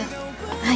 はい。